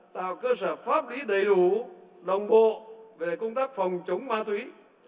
tạo cơ sở pháp lý đầy đủ đồng bộ về công tác phòng chống ma túy